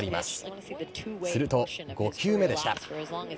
すると、５球目でした。